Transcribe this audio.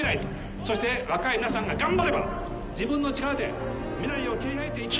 そして若い皆さんが頑張れば自分の力で未来を切り開いていける。